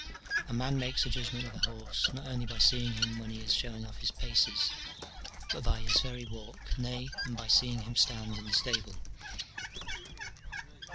A man makes a judgment of a horse, not only by seeing him when he is showing off his paces, but by his very walk, nay, and by seeing him stand in the stable.